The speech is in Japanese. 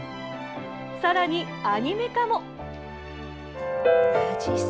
さらに、アニメ化も。